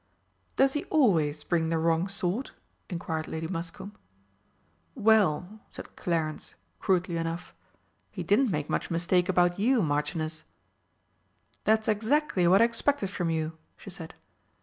"Does he always bring the wrong sort?" inquired Lady Muscombe. "Well," said Clarence, crudely enough, "he didn't make much mistake about you, Marchioness!" "That's exactly what I expected from you!" she said.